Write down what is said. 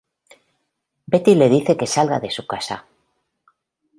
Betty le dice que salga de su casa.